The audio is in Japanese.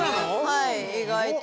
はい意外と。